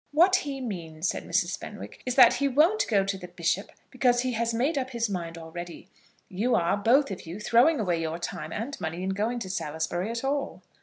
"What he means," said Mrs. Fenwick, "is, that he won't go to the bishop, because he has made up his mind already. You are, both of you, throwing away your time and money in going to Salisbury at all."